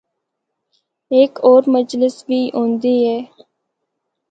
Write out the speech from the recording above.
ہک ہور مجلس وی ہوندے اے۔